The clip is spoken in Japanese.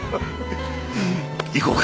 行こうか。